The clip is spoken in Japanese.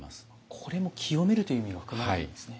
これも清めるという意味が含まれているんですね。